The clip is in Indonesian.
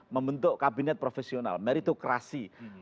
membentuk kabinet profesional meritokrasi